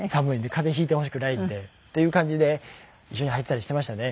風邪ひいてほしくないんで。っていう感じで一緒に入ってたりしてましたね。